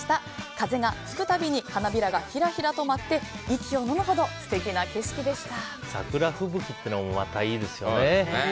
風が吹くたびに花びらがひらひらと舞って息をのむほど素敵な景色でした。